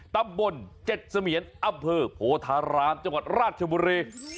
ตำบลเจ็ดเสมียนอัพพิษโฮธารามจังหวัดราชบุรี